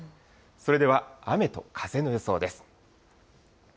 それでは雨と風の予想です。